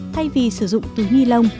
thay vì sử dụng túi nilon